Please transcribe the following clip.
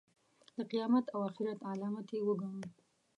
د قیامت او آخرت علامت یې وګڼو.